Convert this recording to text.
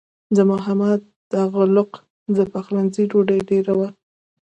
د محمد تغلق د پخلنځي ډوډۍ ډېره وه.